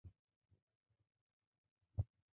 চাইলে ওখানে ঘুমাতে পারো।